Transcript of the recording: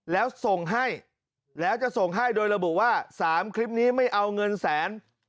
แล้วส่งให้แล้วจะส่งให้โดยระบุว่า๓คลิปนี้ไม่เอาเงินแสน